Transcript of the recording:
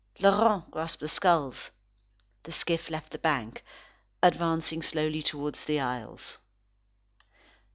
Laurent grasped the skulls. The skiff left the bank, advancing slowly towards the isles.